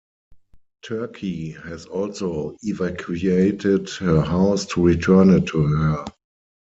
Turkey has also evacuated her house to return it to her.